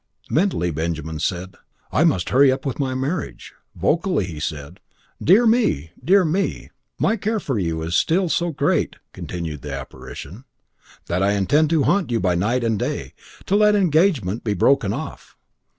Mentally, Benjamin said: "I must hurry up with my marriage!" Vocally he said: "Dear me! Dear me!" "My care for you is still so great," continued the apparition, "that I intend to haunt you by night and by day, till that engagement be broken off."